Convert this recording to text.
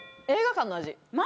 映画館の味。